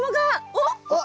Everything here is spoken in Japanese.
おっ？